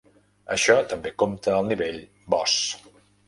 Això també compta al nivell "Boss".